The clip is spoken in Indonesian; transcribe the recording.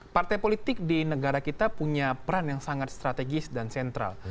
partai politik di negara kita punya peran yang sangat strategis dan sentral